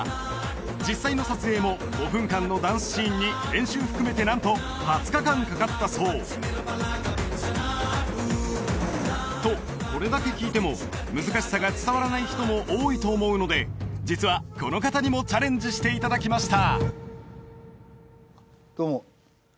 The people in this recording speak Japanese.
実際の撮影も５分間のダンスシーンに練習含めて何と２０日間かかったそうとこれだけ聞いても難しさが伝わらない人も多いと思うので実はこの方にもチャレンジしていただきました